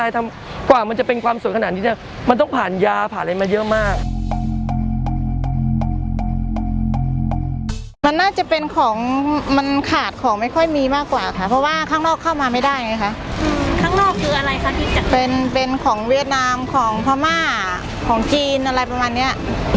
ทั้งนอกคืออะไรคะที่จัดเป็นเป็นของเวียดนามของพม่าของจีนอะไรประมาณเนี้ย